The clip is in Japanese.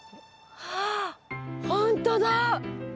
あっほんとだ！